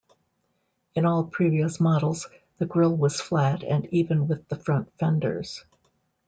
In all previous models, the grille was flat and even with the front fenders.